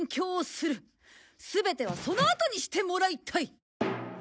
全てはそのあとにしてもらいたい。